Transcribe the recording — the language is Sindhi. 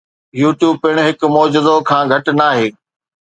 يوٽيوب پڻ هڪ معجزو کان گهٽ ناهي.